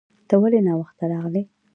ته ولې ناوخته راغلې